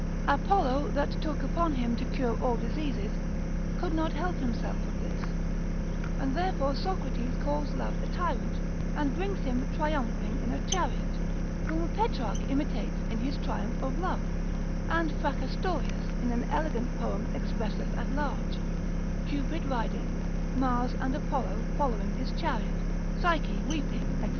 Apollo, that took upon him to cure all diseases, could not help himself of this; and therefore Socrates calls Love a tyrant, and brings him triumphing in a chariot, whom Petrarch imitates in his triumph of Love, and Fracastorius, in an elegant poem expresseth at large, Cupid riding, Mars and Apollo following his chariot, Psyche weeping, &c.